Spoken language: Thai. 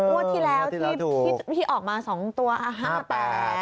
งวดที่แล้วที่ออกมาสองตัวห้าแปด